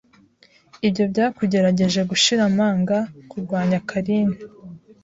Ibyo byakugerageje gushira amanga kurwanya Karln